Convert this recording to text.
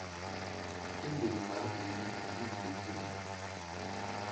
Ndék man ini i nyik bé kindba.